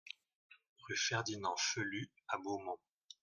Rue Ferdinand Phelut à Beaumont